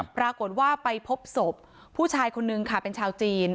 ปรากฏว่าไปพบศพผู้ชายคนนึงค่ะเป็นชาวจีน